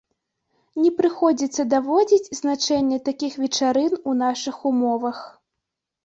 Не прыходзіцца даводзіць значэнне такіх вечарын у нашых умовах.